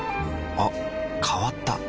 あ変わった。